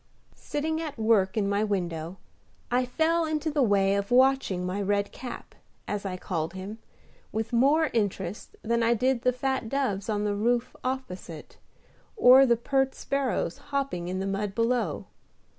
Sitting at work in my window, I fell into the way of watching my Red Cap, as I called him, with more interest than I did the fat doves on the roof opposite, or the pert sparrows hopping in the mud below.